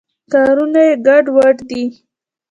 کارونه یې ګډوډ دي.